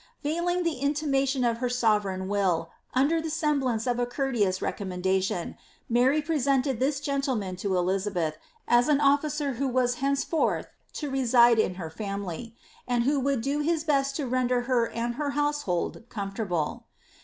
Veiling the intima 30 of her sovereign will under the semblance of a courteous recom endation, Mary presented this gentleman to Elizabeth, as an officer ko was henceforth to reside in her family, and who would do his best tender her and her household comfortable.'